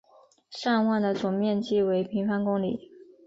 尚旺的总面积为平方公里。